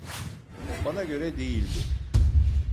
Bana göre değildi.